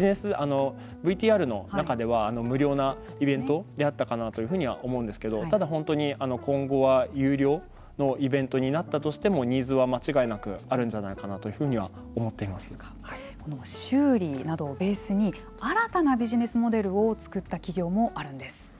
ＶＴＲの中では無料のイベントであったかなというふうには思うんですけどただ、本当に今後は有料のイベントになったとしてもニーズは間違いなくあるんじゃないかな修理などをベースに新たなビジネスモデルを作った企業もあるんです。